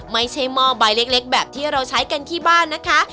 หม้อใบเล็กแบบที่เราใช้กันที่บ้านนะคะ